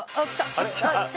あれ来た？